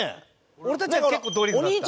俺たちは結構ドリフだった。